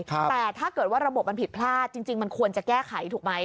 แต่ถ้าเกิดว่าระบบมันผิดพลาดจริงมันควรจะแก้ไขถูกไหม